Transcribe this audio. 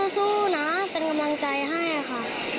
สู้นะเป็นกำลังใจให้ค่ะ